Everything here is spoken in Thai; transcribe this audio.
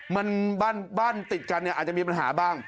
มันบ้านติดกันเนี่ยอาจจะมีปัญหาบ้าง